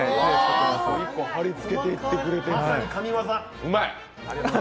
貼り付けていってくれてる。